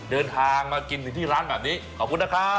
เดินทางมากินถึงที่ร้านแบบนี้ขอบคุณนะครับ